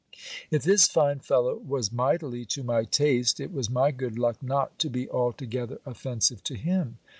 If this fine fellow was mightily to my taste, it was my good luck not to be altogether offensive to him.